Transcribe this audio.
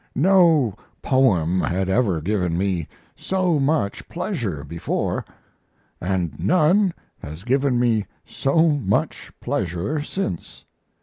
No poem had ever given me so much pleasure before, and none has given me so much pleasure since.